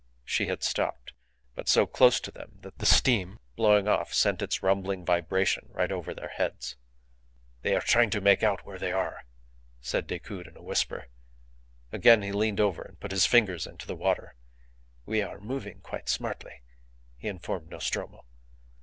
She had stopped, but so close to them that the steam, blowing off, sent its rumbling vibration right over their heads. "They are trying to make out where they are," said Decoud in a whisper. Again he leaned over and put his fingers into the water. "We are moving quite smartly," he informed Nostromo.